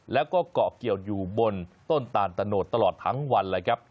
แล้วก็เกาะเกี่ยวอยู่บนต้นตาลตะโนดตลอดทั้งวันเลยครับ